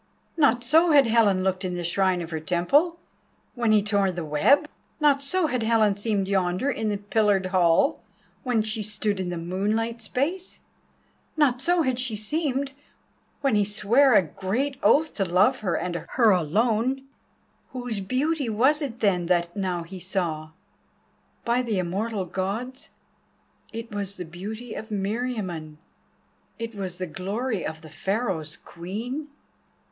Not so had Helen looked in the shrine of her temple, when he tore the web. Not so had Helen seemed yonder in the pillared hall when she stood in the moonlit space—not so had she seemed when he sware the great oath to love her, and her alone. Whose beauty was it then that now he saw? By the Immortal Gods, it was the beauty of Meriamun; it was the glory of the Pharaoh's Queen!